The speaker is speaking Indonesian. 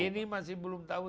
ini masih belum tahu